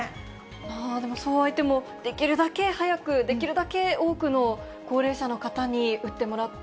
でもそうはいっても、できるだけ早く、できるだけ多くの高齢者の方に打ってもらって、